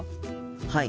はい。